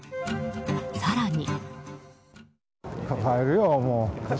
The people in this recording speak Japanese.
更に。